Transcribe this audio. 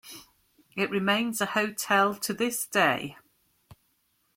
It remains a hotel to this day.